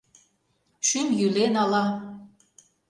Шӱм йӱлен ала